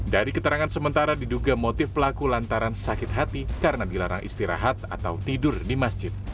dari keterangan sementara diduga motif pelaku lantaran sakit hati karena dilarang istirahat atau tidur di masjid